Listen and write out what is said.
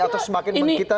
atau semakin membuat kita